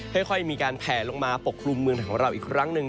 ค่อยมีการแผลลงมาปกครุมเมืองไทยของเราอีกครั้งหนึ่ง